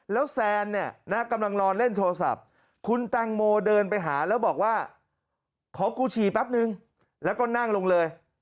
แล้วแซนเนี่ยนะกำลังนอนเล่นโทรศัพท์คุณแตงโมเดินไปหาแล้วบอกว่าขอกูฉี่แป๊บนึงแล้วก็นั่งลงเลย